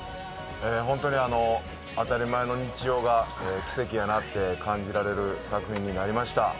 本当に当たり前の日常が奇跡やなと感じられる作品になりました。